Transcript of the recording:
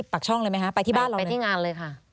ปากช่องเลยไหมคะไปที่บ้านเราไปที่งานเลยค่ะ